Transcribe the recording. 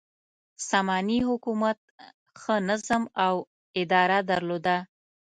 ساماني حکومت ښه نظم او اداره درلوده.